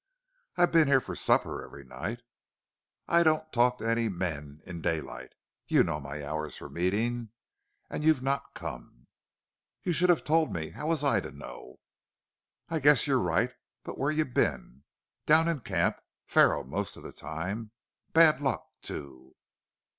"I've been here for supper every night." "I don't talk to any men in daylight. You know my hours for meeting. And you've not come." "You should have told me. How was I to know?" "I guess you're right. But where've you been?" "Down in camp. Faro, most of the time. Bad luck, too."